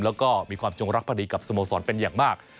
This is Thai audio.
แล้วก็มีความจงรักพอดีกับสโมสรเป็นอย่างมาก